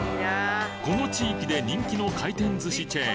この地域で人気の回転寿司チェーン